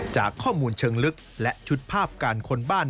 จากข้อมูลเชิงลึกและชุดภาพการค้นบ้าน